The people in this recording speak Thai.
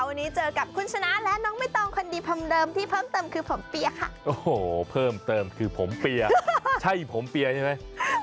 วันนี้เจอกับคุณชนะและน้องไม่ต้องคนดีพรมเดิมที่เพิ่มเติมคือผมเปียค่ะโอ้โหเพิ่มเติมคือผมเปียใช่ผมเปียใช่ไหม